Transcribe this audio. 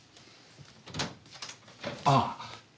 ああ。